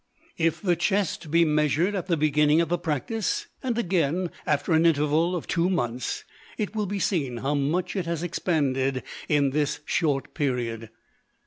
If the chest be measured at the beginning of the practice, and again after an interval of two months, it will be seen how much it has expanded in this short period.